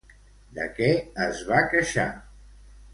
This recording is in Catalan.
De què es va queixar?